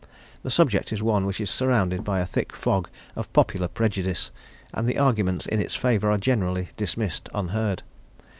The subject is one which is surrounded by a thick fog of popular prejudice, and the arguments in its favour are generally dismissed unheard.